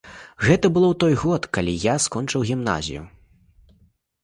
Гэта было ў той год, калі я скончыў гімназію.